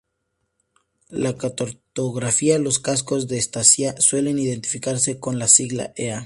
La cartografía los cascos de estancia suelen identificarse con la sigla Ea.